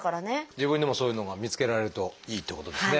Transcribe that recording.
自分でもそういうのが見つけられるといいってことですね。